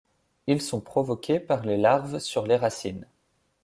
Ils sont provoqués par les larves sur les racines.